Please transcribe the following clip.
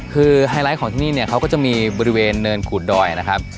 คือไฮไลท์ของที่นี่เนี่ยเขาก็จะมีบริเวณเนินขูดดอยนะครับ